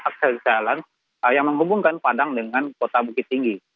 akses jalan yang menghubungkan padang dengan kota bukit tinggi